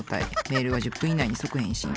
メールは１０分以内に即返信。